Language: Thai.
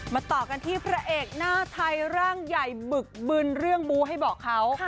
ต่อกันที่พระเอกหน้าไทยร่างใหญ่บึกบึนเรื่องบูให้บอกเขา